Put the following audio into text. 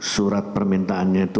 surat permintaannya itu